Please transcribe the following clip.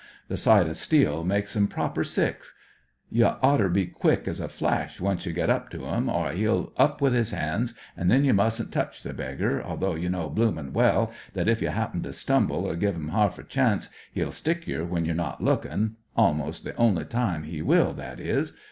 The sight o' steel makes *im proper sick. I THE COCKNEY FIGHTER 98 You gotter be quick as a flash once you get up to 'im, or 'e'll up with *is *ands, an* then you mustn't touch the beggar, although you know bloomin' well that if you 'appen to stumble, or give 'iin arf a chamce, 'e'll stick yer when you're not looking — almost the only time 'e will, that is.